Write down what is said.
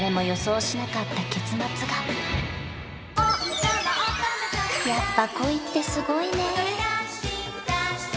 ちょっとやっぱ恋ってすごいね！